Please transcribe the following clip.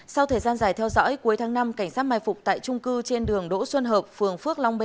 sau thời gian dài theo dõi cuối tháng năm cảnh sát mai phục tại trung cư trên đường đỗ xuân hợp phường phước long b